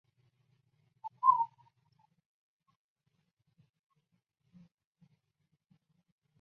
让干与不干、干多干少、干好干差、是不是主动服务大局、